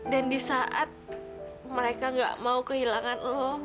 dan di saat mereka gak mau kehilangan lo